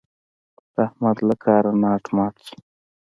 د احمد له کاره ناټ مات شو.